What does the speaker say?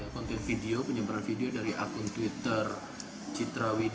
konten video penyebaran video dari akun twitter citrawid